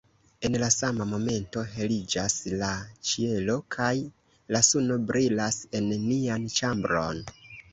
En la sama momento heliĝas la ĉielo kaj la suno brilas en nian ĉambron.